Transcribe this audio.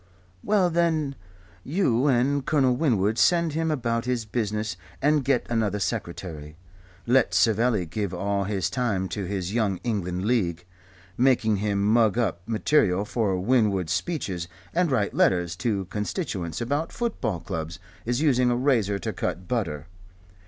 Well, then you and Colonel Winwood send him about his business and get another secretary. Let Savelli give all his time to his Young England League. Making him mug up material for Winwood's speeches and write letters to constituents about football clubs is using a razor to cut butter.